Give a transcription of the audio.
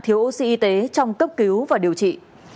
thiếu oxy y tế trong cấp cứu và điều trị